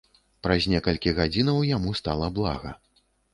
Праз некалькі гадзінаў яму стала блага.